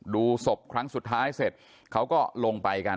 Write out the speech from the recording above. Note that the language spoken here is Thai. ดูศพครั้งสุดท้ายเสร็จเขาก็ลงไปกัน